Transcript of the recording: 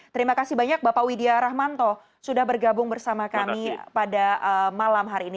terima kasih banyak bapak widya rahmanto sudah bergabung bersama kami pada malam hari ini